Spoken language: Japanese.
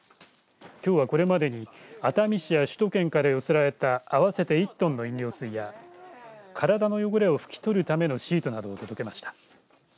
きょうはこれまでに熱海市や首都圏から寄せられた合わせて１トンの飲料水や体の汚れを拭き取るためのシートなを届けました。